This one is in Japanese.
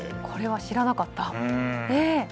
これは知らなかった。